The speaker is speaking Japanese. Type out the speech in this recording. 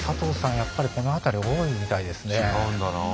やっぱりこの辺り多いみたいですね。